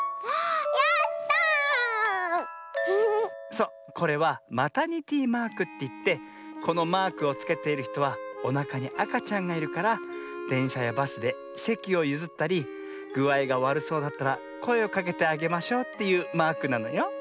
そうこれはマタニティマークっていってこのマークをつけているひとはおなかにあかちゃんがいるからでんしゃやバスでせきをゆずったりぐあいがわるそうだったらこえをかけてあげましょうというマークなのよ。